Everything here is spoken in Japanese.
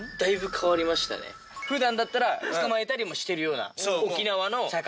普段だったら捕まえたりもしてるような。